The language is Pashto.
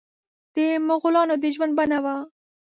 د مغولانو د ژوند بڼه وه.